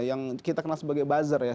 yang kita kenal sebagai buzzer ya